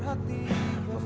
dekat sini kan